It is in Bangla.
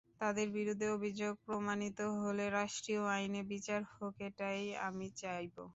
তাঁদের বিরুদ্ধে অভিযোগ প্রমাণিত হলে রাষ্ট্রীয় আইনে বিচার হোক—এটাই আমি চাইব।